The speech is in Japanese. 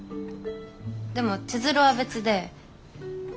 でも千鶴は別で。